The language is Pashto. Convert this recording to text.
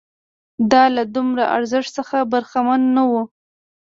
دا له دومره ارزښت څخه برخمن نه وو